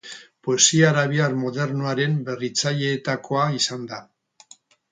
Poesia arabiar modernoaren berritzaileetakoa izan da.